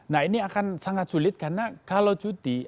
nah ini akan sangat sulit karena kalau cuti